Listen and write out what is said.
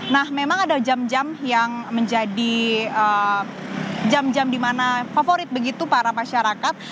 nah memang ada jam jam yang menjadi jam jam di mana favorit begitu para masyarakat